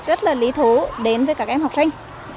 rất là lý thú đến với các em học sinh